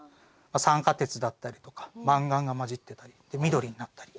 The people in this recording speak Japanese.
酸化鉄だったりとかマンガンが混じってたりで緑になったり。